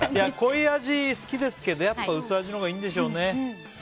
濃い味好きですけどやっぱり薄味のほうがいいんでしょうね。